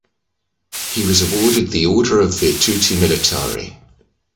He was awarded the Order of Virtuti Militari.